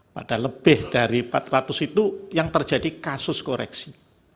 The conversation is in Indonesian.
pada lebih dari empat ratus itu yang terjadi kasus koreksi